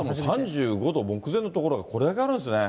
３５度目前の所がこれだけあるんですね。